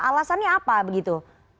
alasannya apa begitu